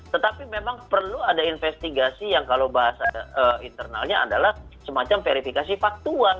tetapi memang perlu ada investigasi yang kalau bahasa internalnya adalah semacam verifikasi faktual